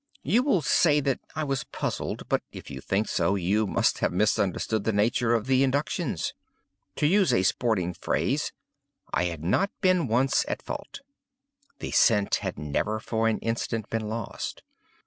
"You will say that I was puzzled; but, if you think so, you must have misunderstood the nature of the inductions. To use a sporting phrase, I had not been once 'at fault.' The scent had never for an instant been lost.